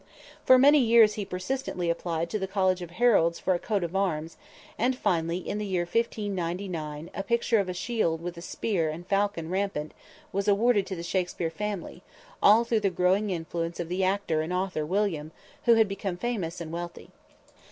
For many years he persistently applied to the College of Heralds for a "coat of arms;" and finally in the year of 1599, a picture of a "shield" with a "spear" and "falcon," rampant, was awarded to the Shakspere family, all through the growing influence of the actor and author William, who had become famous and wealthy.